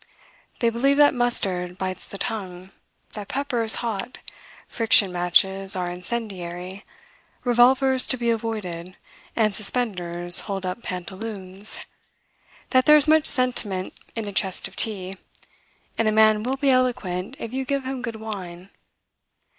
They believe that mustard bites the tongue, that pepper is hot, friction matches are incendiary, revolvers to be avoided, and suspenders hold up pantaloons; that there is much sentiment in a chest of tea; and a man will be eloquent, if you give him good wine.